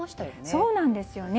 そうなんですよね。